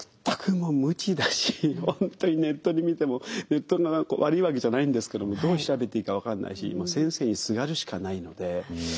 全く無知だし本当にネットで見てもネットが悪いわけじゃないんですけどもどう調べていいか分かんないし先生にすがるしかないので。